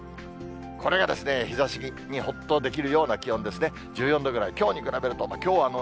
これが日ざしにほっとできるような気温ですね。